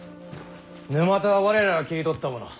沼田は我らが切り取ったもの。